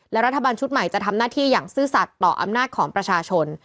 และรัฐบาลชุดใหม่จะทำหน้าที่อย่างซื่อสัตว์ต่ออำนาจของประชาชน